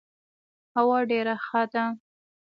هوا ډيره ښه ده.